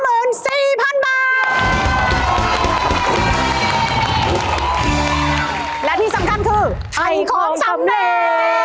และที่สำคัญคือไถ่ของสำเร็จ